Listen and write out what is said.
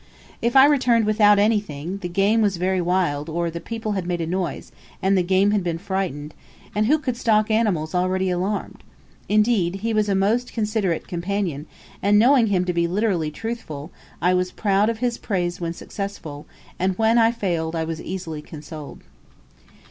If I returned without anything, the game was very wild, or the people had made a noise, and the game had been frightened; and who could stalk animals already alarmed? Indeed, he was a most considerate companion, and, knowing him to be literally truthful, I was proud of his praise when successful, and when I failed I was easily consoled.